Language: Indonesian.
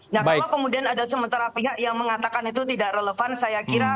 nah kalau kemudian ada sementara pihak yang mengatakan itu tidak relevan saya kira